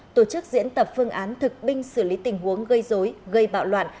tổ chức diễn tập phương án thực binh xử lý tình huống gây dối gây bạo loạn